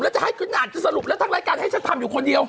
แล้วบริหารจะสรุปแล้วทั้งรายการให้ทำอยู่คนเดียว